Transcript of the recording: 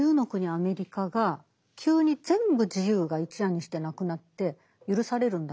アメリカが急に全部自由が一夜にしてなくなって許されるんだろう。